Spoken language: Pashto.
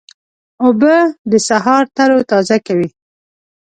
اوبه د سهار تروتازه کوي.